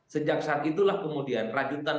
sejak saat itulah kemudian rajutan